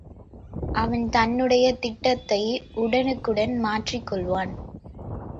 அவன் தன்னுடைய திட்டத்தை உடனுக்குடன் மாற்றிக் கொள்வான்.